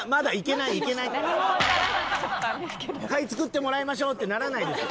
はい作ってもらいましょうってならないです。